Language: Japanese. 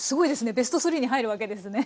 ベストスリーに入るわけですね。